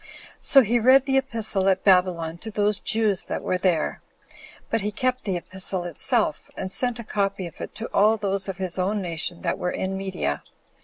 So he read the epistle at Babylon to those Jews that were there; but he kept the epistle itself, and sent a copy of it to all those of his own nation that were in Media.